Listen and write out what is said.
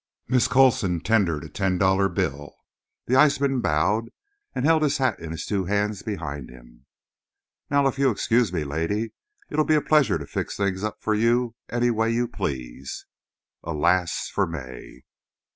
Miss Coulson tendered a ten dollar bill. The iceman bowed, and held his hat in his two hands behind him. "Not if you'll excuse me, lady. It'll be a pleasure to fix things up for you any way you please." Alas for May!